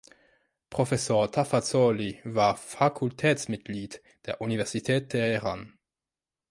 Professor Tafazzoli war Fakultätsmitglied der Universität Teheran.